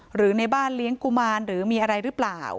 หรือในบ้านเลี้ยงกุมารหรือมีอะไรหรือเปล่า